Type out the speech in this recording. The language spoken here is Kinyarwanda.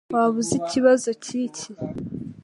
Waba uzi ikibazo cyiki